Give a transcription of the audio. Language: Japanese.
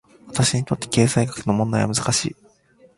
私にとって、経済学の問題は難しい。